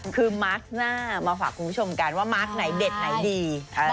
คือมาร์คหน้ามาฝากคุณผู้ชมกันว่ามาร์คไหนเด็ดไหนดี